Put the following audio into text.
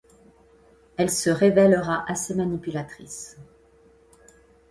Elle se révèlera assez manipulatrice.